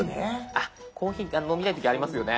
あっコーヒー飲みたい時ありますよね。